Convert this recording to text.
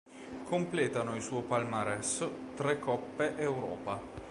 Completano il suo palmares tre Coppe Europa.